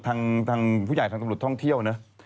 โฟนโมงมากเลย